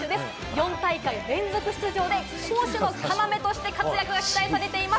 ４大会連続出場で、攻守の要として活躍が期待されています。